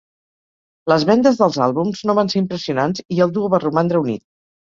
Les vendes dels àlbums no van ser impressionants i el duo va romandre unit.